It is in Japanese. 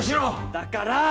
だから！